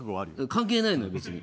関係ないのよ別に。